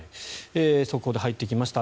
速報で入ってきました。